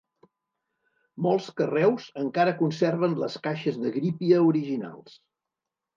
Molts carreus encara conserven les caixes de grípia originals.